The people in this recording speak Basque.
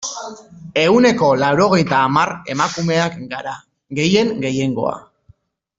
Ehuneko laurogeita hamar emakumeak gara, gehien gehiengoa.